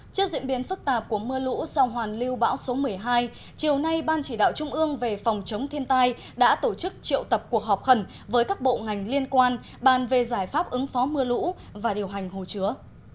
trước diễn biến phức tạp của mưa lũ sau hoàn lưu bão số một mươi hai chiều nay ban chỉ đạo trung ương về phòng chống thiên tai đã tổ chức triệu tập cuộc họp khẩn với các bộ ngành liên quan bàn về giải pháp ứng phó mưa lũ và điều hành hồ chứa